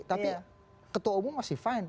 tapi ketua umum masih fine